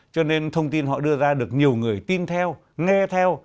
cho nên thông tin họ đưa ra được nhiều người tin theo nghe theo